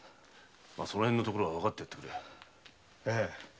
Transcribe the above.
そこのところはわかってやってくれ。